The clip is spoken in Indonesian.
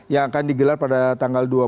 yang akan digelar pada tanggal